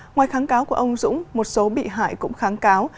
ngoài kháng cáo của ông dũng một số bị hại cũng kháng cáo